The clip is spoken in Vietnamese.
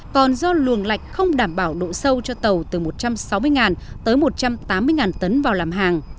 còn do luồng lạch không đảm bảo độ sâu cho tàu từ một trăm sáu mươi tới một trăm tám mươi tấn vào làm hàng